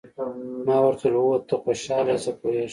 ما ورته وویل: هو، ته خوشاله یې، زه پوهېږم.